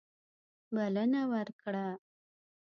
بلنه ورکړه.